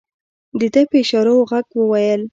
ده په اشارو او غږ وويل.